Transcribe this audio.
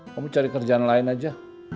kamu cari kerjaan lain aja